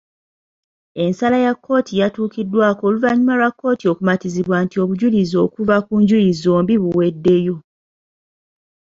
Ensala yatuukiddwaako oluvannyuma lwa kkooti okumatizibwa nti obujulizi okuva ku njuyi zombi buweddeyo.